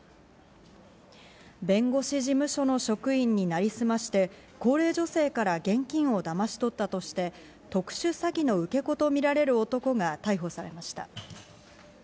弁護士事務所の職員になりすまして、高齢女性から現金をだまし取ったとして、特殊詐欺の受け子とみられる男が逮捕されました。